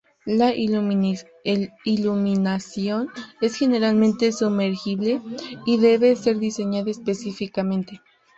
La iluminación es generalmente sumergible y debe ser diseñada específicamente.